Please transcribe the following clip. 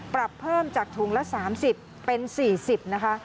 ปรับเพิ่มจากถุงละ๓๐เป็น๔๐นะคะ